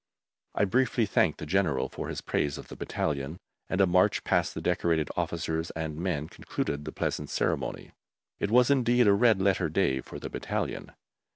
I briefly thanked the General for his praise of the battalion, and a march past the decorated officers and men concluded the pleasant ceremony. It was indeed a Red Letter Day for the battalion.